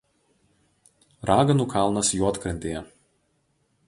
Raganų kalnas Juodkrantėje.